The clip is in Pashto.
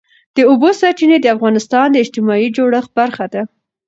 د اوبو سرچینې د افغانستان د اجتماعي جوړښت برخه ده.